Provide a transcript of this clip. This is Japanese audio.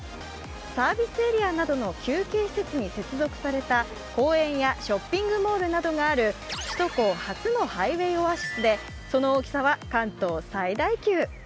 サービスエリアなどの休憩施設に接続された公園やショッピングモールなどがある、首都高初のハイウェイオアシスでその大きさは関東最大級。